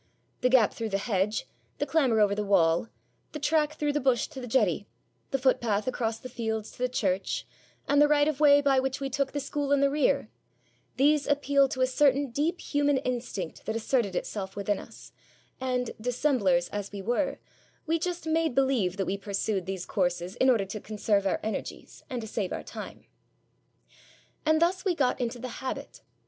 The gap through the hedge; the clamber over the wall; the track through the bush to the jetty; the footpath across the fields to the church; and the right of way by which we took the school in the rear these appealed to a certain deep human instinct that asserted itself within us; and, dissemblers as we were, we just made believe that we pursued these courses in order to conserve our energies and to save our time. And thus we got into the habit.